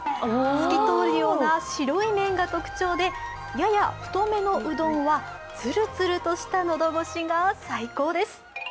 透き通るような白い麺が特徴でやや太めのうどんはつるつるとした喉越しが最高です。